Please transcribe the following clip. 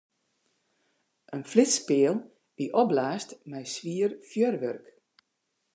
In flitspeal wie opblaasd mei swier fjurwurk.